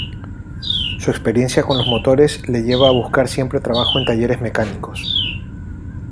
Su experiencia con los motores le lleva a buscar siempre trabajo en talleres mecánicos.